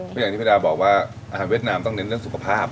เพราะอย่างที่พี่ดาบอกว่าอาหารเวียดนามต้องเน้นเรื่องสุขภาพ